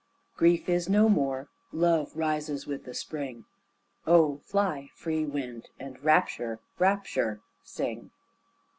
Grief is no more, love rises with the spring, O fly, free wind, and Rapture! Rapture! sing.